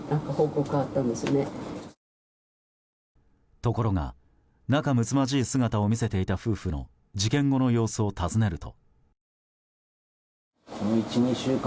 ところが仲睦まじい姿を見せていた夫婦の事件後の様子を尋ねると。